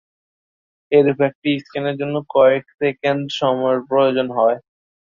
এরূপ একটি স্ক্যানের জন্য কয়েক সেকেন্ড সময়ের প্রয়োজন হয়।